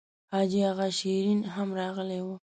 حاجي اغا شېرین هم راغلی و.